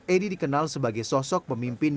edi dikenal sebagai sosok pemimpin